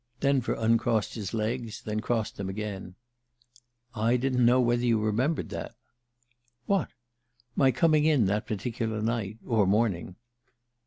Denver uncrossed his legs and then crossed them again. "I didn't know whether you remembered that." "What?" "My coming in that particular night or morning."